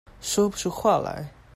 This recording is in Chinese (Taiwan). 說不出話來